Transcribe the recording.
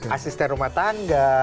asisten rumah tangga